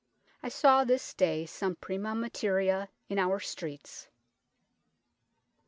... I saw this day some prima mater ia in our streets."